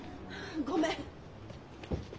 ごめん。